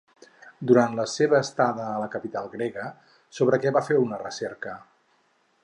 Durant la seva estada a la capital grega, sobre què va fer una recerca?